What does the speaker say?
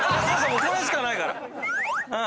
もうこれしかないから！